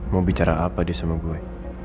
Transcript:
mau bicara apa dia sama gue